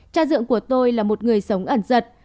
cha dưỡng của tôi là một người sống ẩn rật